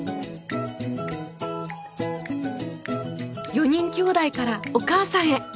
４人きょうだいからお母さんへ。